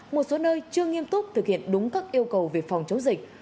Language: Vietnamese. một số nơi chưa nghiêm túc thực hiện đúng các yêu cầu về phòng chống dịch